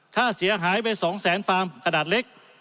ถ้าเสียหายไป๒แสนฟาร์มขนาดเล็ก